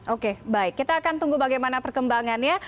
oke baik kita akan tunggu bagaimana perkembangannya